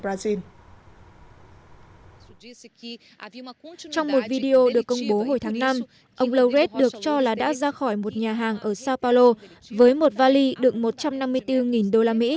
trong một video được công bố hồi tháng năm ông laured được cho là đã ra khỏi một nhà hàng ở sapalo với một vali đựng một trăm năm mươi bốn usd